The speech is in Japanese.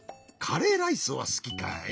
カレーライスはすきかい？